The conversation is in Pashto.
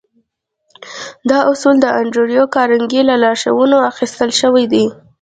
دا اصول د انډريو کارنګي له لارښوونو اخيستل شوي دي.